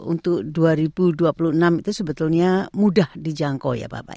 untuk dua ribu dua puluh enam itu sebetulnya mudah dijangkau ya bapak